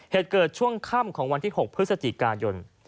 เหตุเกิดช่วงค่ำของวันที่๖พฤศจิกายน